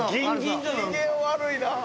機嫌悪いなあ。